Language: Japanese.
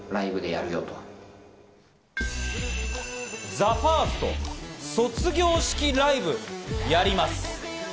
ＴＨＥＦＩＲＳＴ卒業式ライブ、やります。